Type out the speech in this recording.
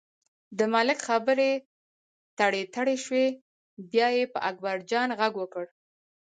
د ملک خبرې تړتړۍ شوې، بیا یې په اکبرجان غږ وکړ.